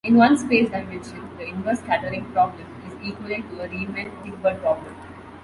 In one space dimension the inverse scattering problem is equivalent to a Riemann-Hilbert problem.